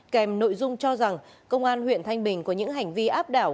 kèm nội dung cho rằng công an huyện thanh bình có những hành vi áp đảo